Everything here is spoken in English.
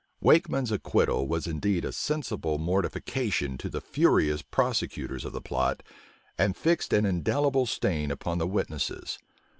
Wakeman's acquittal was indeed a sensible mortification to the furious prosecutors of the plot, and fixed an indelible stain upon the witnesses.